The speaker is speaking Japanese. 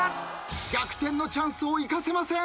逆転のチャンスを生かせません。